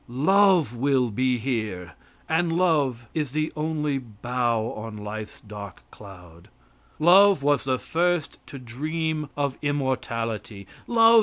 Love will be here, and love is the only bow on life's dark cloud. Love was the first to dream of immortality.